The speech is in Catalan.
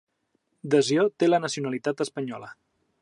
Desio té la nacionalitat espanyola.